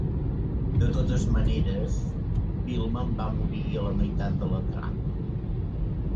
De totes maneres, Pillman va morir a la meitat de la trama.